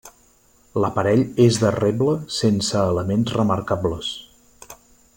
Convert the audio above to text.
L'aparell és de reble sense elements remarcables.